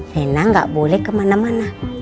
rena gak boleh kemana mana